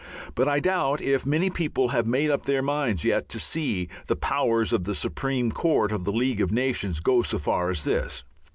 But I doubt if many people have made up their minds yet to see the powers of the Supreme Court of the League of Nations go so far as this.